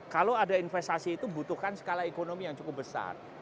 kalau ada investasi itu butuhkan skala ekonomi yang cukup besar